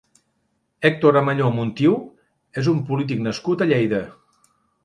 Héctor Amelló Montiu és un polític nascut a Lleida.